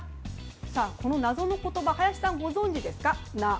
この謎の言葉林さんご存じですか？